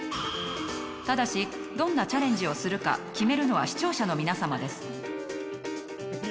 ただしどんなチャレンジをするか決めるのは視聴者の皆さまです。